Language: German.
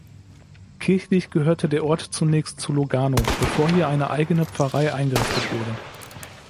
Kirchlich gehörte der Ort zunächst zu Lugano, bevor hier eine eigene Pfarrei eingerichtet wurde.